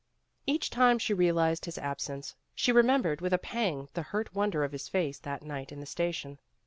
Each time she realized his absence she remembered with a pang the hurt wonder of his face that night in the station.